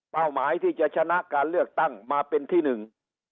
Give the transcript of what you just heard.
หมายที่จะชนะการเลือกตั้งมาเป็นที่หนึ่ง